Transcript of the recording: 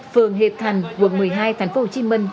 phường hiệp thành quận một mươi hai tp hcm